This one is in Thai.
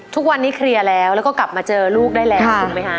ทุกวันนี้เคลียร์แล้วแล้วก็กลับมาเจอลูกได้แล้วถูกไหมคะ